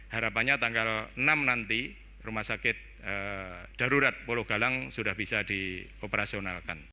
harapannya tanggal enam nanti rumah sakit darurat pulau galang sudah bisa dioperasionalkan